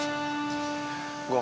dia udah mau ngapain